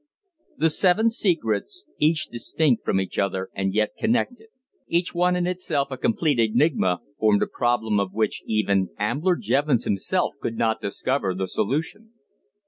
The Seven Secrets, each distinct from each other and yet connected; each one in itself a complete enigma, formed a problem of which even Ambler Jevons himself could not discover the solution.